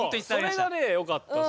それがねよかったっすよ。